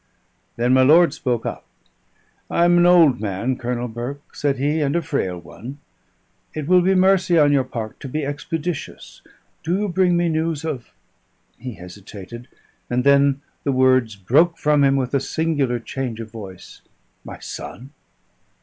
Then my lord spoke up. "I am an old man, Colonel Burke," said he, "and a frail one. It will be mercy on your part to be expeditious. Do you bring me news of " he hesitated, and then the words broke from him with a singular change of voice "my son?"